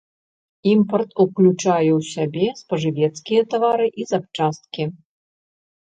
Імпарт ўключае ў сябе спажывецкія тавары і запчасткі.